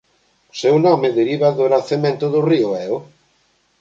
O seu nome deriva do nacemento do río Eo.